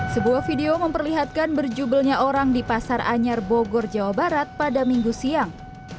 sebuah video memperlihatkan berjubelnya orang di pasar anyar bogor jawa barat pada minggu siang